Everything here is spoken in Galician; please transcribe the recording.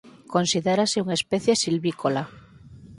Considérase unha especie silvícola.